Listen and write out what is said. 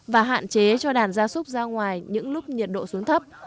và hạn chế cho đàn gia súc ra ngoài những lúc nhiệt độ xuống thấp